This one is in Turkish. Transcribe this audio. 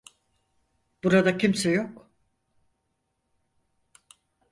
Burada kimse yok.